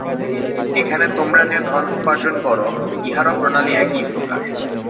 এখানে তোমরা যে ধন উপার্জন কর, ইহারও প্রণালী একই প্রকার।